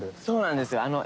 そうなんですよ。